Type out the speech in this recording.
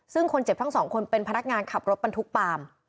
ซึ่งคนเจ็บทั้งสองคนเป็นพนักงานขับรถบรรทุกปาล์ม